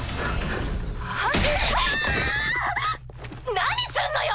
何すんのよ！